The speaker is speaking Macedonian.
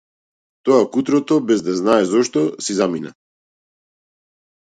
Тоа кутрото, без да знае зошто, си замина.